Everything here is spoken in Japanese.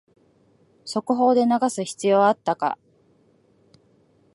速報で流す必要あったか